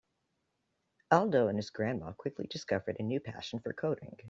Aldo and his grandma quickly discovered a new passion for coding.